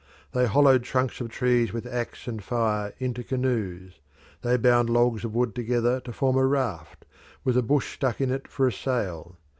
They hollowed trunks of trees with axe and fire into canoes; they bound logs of wood together to form a raft, with a bush stuck in it for a sail.